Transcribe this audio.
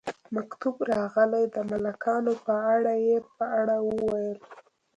مکتوب راغلی د ملکانو په اړه، یې په اړه وویل.